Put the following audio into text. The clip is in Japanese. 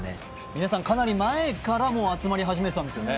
皆さんかなり前から集まり始めていたんですよね。